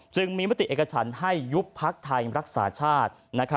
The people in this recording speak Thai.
จึงมีปฏิเอกฉันให้ยุบภักบอร์ธัยรักษาชาติ